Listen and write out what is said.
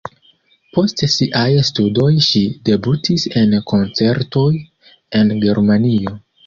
Post siaj studoj ŝi debutis en koncertoj en Germanio.